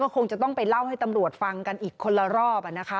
คงจะต้องไปเล่าให้ตำรวจฟังกันอีกคนละรอบนะคะ